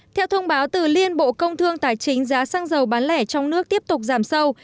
theo thông báo từ liên bộ công thương tài chính giá xăng dầu bán lẻ trong nước tiếp tục giảm sâu